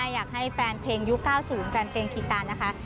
อยากให้แฟนเพลงยุคก้าวศูนย์แฟนเพลงคีตานะคะ